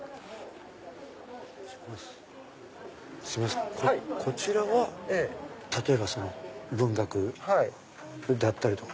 すいませんこちらは例えば文学だったりとか。